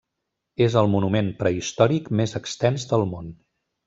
És el monument prehistòric més extens del món.